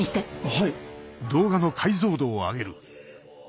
はい。